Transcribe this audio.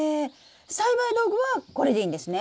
栽培道具はこれでいいんですね？